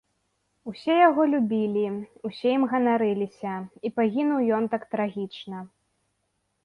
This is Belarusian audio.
Усе яго любілі, усе ім ганарыліся, і пагінуў ён так трагічна.